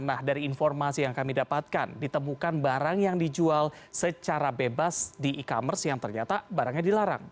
nah dari informasi yang kami dapatkan ditemukan barang yang dijual secara bebas di e commerce yang ternyata barangnya dilarang